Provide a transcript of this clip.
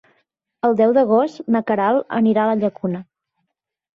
El deu d'agost na Queralt anirà a la Llacuna.